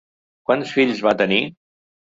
Quants fills va tenir?